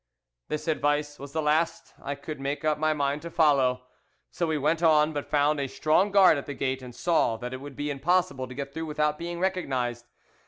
"This advice was the last I could make up my mind to follow, so we went on, but found a strong guard at the gate, and saw that it would be impossible to get through without being recognised.